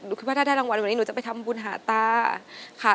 คิดว่าถ้าได้รางวัลวันนี้หนูจะไปทำบุญหาตาค่ะ